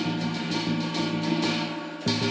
วันนี้ข้ามาขอยืมของสำคัญ